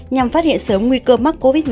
nhằm phát hiện sớm nguy cơ mắc covid một mươi